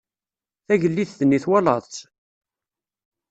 Tagellidt-nni twalaḍ-tt?